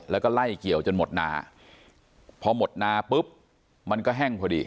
แล้วก็ไล่เกี่ยวจนหมดนาพอหมดนาปุ๊บมันก็แห้งพอดี